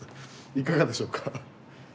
いかがでしょうか？